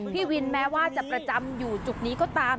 พี่วินแม้ว่าจะประจำอยู่จุดนี้ก็ตาม